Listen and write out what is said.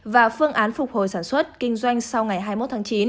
và phương án phục hồi sản xuất kinh doanh sau ngày hai mươi một tháng chín